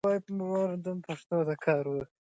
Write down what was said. د هغې قبر تر څلي لږ لرې دی.